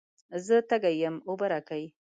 زه تږی یم، اوبه راکئ.